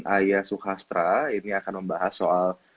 ayah sukastra ini akan membahas soal